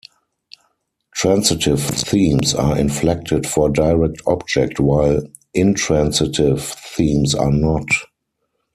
Transitive themes are inflected for direct object, while intransitive themes are not.